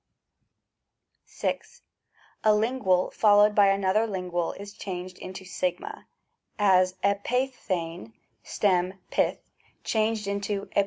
A Lingual followed by another Lingual is changed into a ; as inaiif^'&rjv (stem ncd ^ changed into 7.